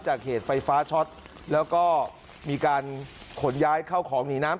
เหตุไฟฟ้าช็อตแล้วก็มีการขนย้ายเข้าของหนีน้ำ